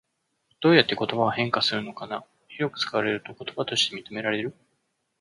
どうやって言葉は変化するのかな？広く使われると言葉として認められる？